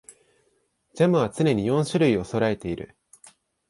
ジャムは常に四種類はそろえている